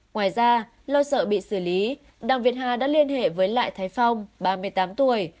ngoài ra lo sợ bị xử lý đặng việt hà đã liên hệ với lại thái phong ba mươi tám tuổi